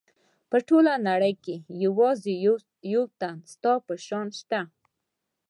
په ټوله نړۍ کې یوازې یو تن ستا په شان شته.